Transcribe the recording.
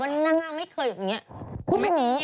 ว่าหน้าไม่เคยอยู่แบบนี้